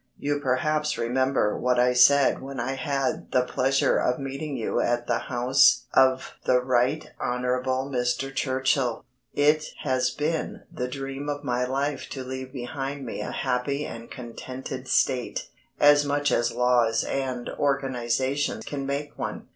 You perhaps remember what I said when I had the pleasure of meeting you at the house of the Right Honourable Mr. Churchill. It has been the dream of my life to leave behind me a happy and contented State as much as laws and organisation can make one.